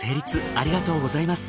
ありがとうございます。